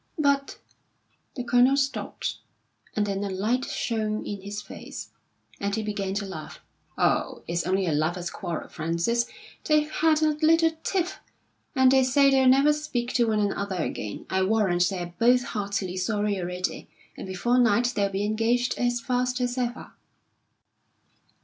"But " the Colonel stopped, and then a light shone in his face, and he began to laugh. "Oh, it's only a lovers' quarrel, Frances. They've had a little tiff, and they say they'll never speak to one another again. I warrant they're both heartily sorry already, and before night they'll be engaged as fast as ever."